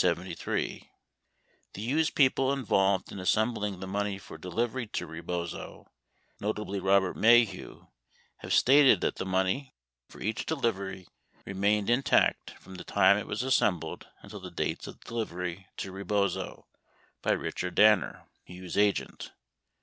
The Hughes people involved in assembling the money for delivery to Rebozo, notably Robert Maheu, have stated that the money 947 for each delivery remained intact from the time it was assembled until the dates of delivery to Rebozo by Richard Danner, Hughes' agent.